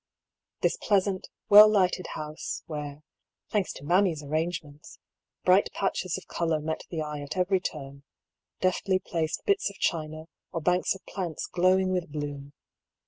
This pleasant, well lighted house, where, thanks to mammy's arrangements, bright patches of colour met the eye at every turn ; deftly placed bits of china, or banks of plants glowing with bloom.